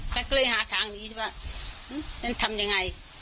แต่ก็เลยหาทางนี้ฉันว่าฉันทำยังไง